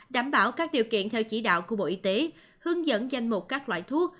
đảm bảo các điều kiện theo chỉ đạo của bộ y tế hướng dẫn danh mục các loại thuốc